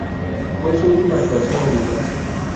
Fue su última actuación militar.